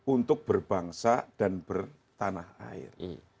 untuk berbangsa dan bertanah air